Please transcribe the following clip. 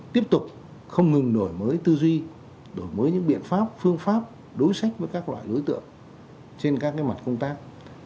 tiếp tục không ngừng đổi mới tư duy đổi mới những biện pháp phương pháp đối sách với các loại đối tượng trên các mặt công tác